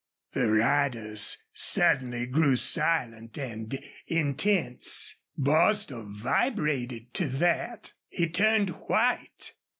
The riders suddenly grew silent and intense. Bostil vibrated to that. He turned white.